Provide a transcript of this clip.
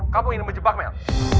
kamu ingin berjebak mel